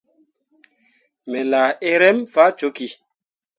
Me laa eremme faa cokki.